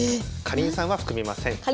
かりんさんは含みません。